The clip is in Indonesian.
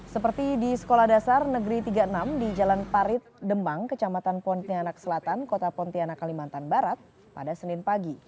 seperti di sekolah dasar negeri tiga puluh enam di jalan parit demang kecamatan pontianak selatan kota pontianak kalimantan barat pada senin pagi